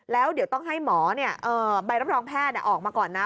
แล้วเดี๋ยวต้องให้หมอใบรับรองแพทย์ออกมาก่อนนะ